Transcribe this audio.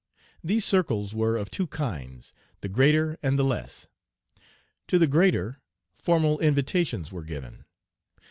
These circles were of two kinds, the greater and the less. To the greater, formal invitations were given.